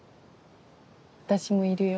私もいるよ